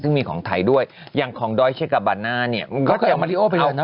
ซึ่งมีของไทยด้วยอย่างของเนี้ยเขาเคยเอามาริโอไปเลยนะ